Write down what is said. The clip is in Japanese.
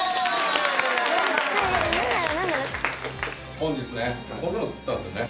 本日ねこんなの作ったんですよね。